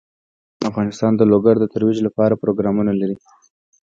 افغانستان د لوگر د ترویج لپاره پروګرامونه لري.